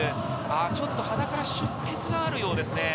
ちょっと鼻から出血があるようですね。